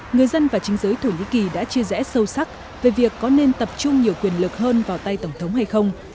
người dân và chính giới thổ nhĩ kỳ đã chia rẽ sâu sắc về việc có nên tập trung nhiều quyền lực hơn vào tay tổng thống hay không